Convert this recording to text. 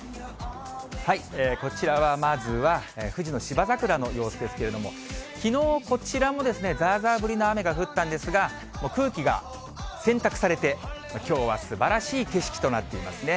こちらはまずは、富士の芝桜の様子ですけれども、きのう、こちらもざーざー降りの雨が降ったんですが、空気が洗濯されてきょうはすばらしい景色となっていますね。